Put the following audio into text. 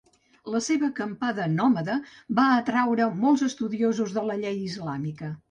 La seva acampada nòmada va atraure molts estudiosos de la llei islàmica.